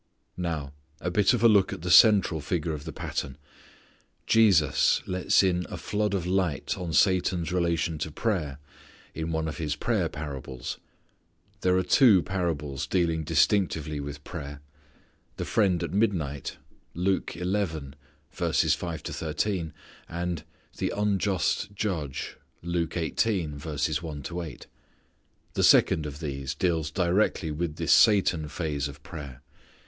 Now a bit of a look at the central figure of the pattern. Jesus lets in a flood of light on Satan's relation to prayer in one of His prayer parables. There are two parables dealing distinctively with prayer: "the friend at midnight," and "the unjust judge." The second of these deals directly with this Satan phase of prayer.